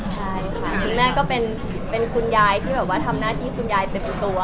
คุณแม่ก็เป็นคุณยายที่ทำหน้าที่คุณยายเต็มตัว